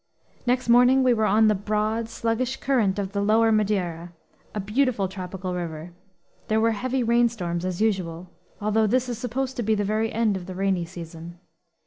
Next morning we were on the broad sluggish current of the lower Madeira, a beautiful tropical river. There were heavy rainstorms, as usual, although this is supposed to be the very end of the rainy season.